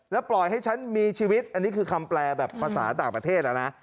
แล้วปล่อยให้ฉันมีชีวิตอันนี้คือคำแปลแบบภาษาต่างประเทศนะ